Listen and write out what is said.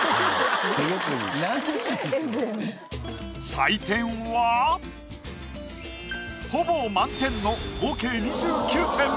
採点はほぼ満点の合計２９点。